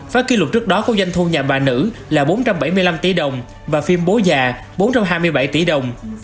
phá kỷ lục trước đó có doanh thu nhà bà nữ là bốn trăm bảy mươi năm tỷ đồng và phim bố già bốn trăm hai mươi bảy tỷ đồng